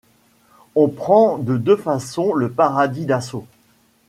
On prend de deux façons le paradis d'assaut ;